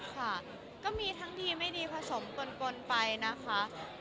ค่ะก็มีทั้งดีไม่ดีผสมปนไปนะคะ